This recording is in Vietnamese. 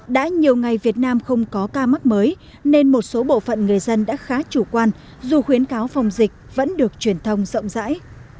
đã nhiều ngày việt nam không có ca mắc mới nên một số bộ phận người dân đã khá chủ quan dù khuyến cáo phòng dịch vẫn được truyền thông rộng rãi